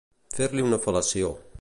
Fer-li una fel·lació.